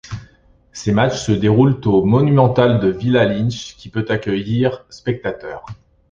Ses matchs se déroulent au Monumental de Villa Lynch qui peut accueillir spectateurs.